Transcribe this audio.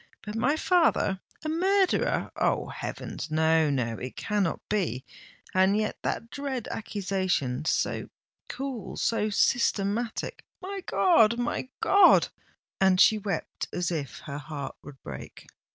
But my father—a murderer—Oh! heavens—no—no—it cannot be! And yet that dread accusation—so cool—so systematic——my God! my God!" And she wept as if her heart would break.